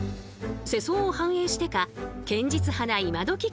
世相を反映してか堅実派な今どき